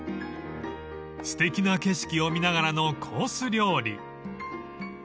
［すてきな景色を見ながらのコース料理］